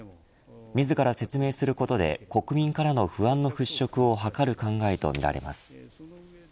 自ら説明することで国民からの不安の払しょくを図る考えとみられます。